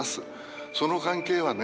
その関係はね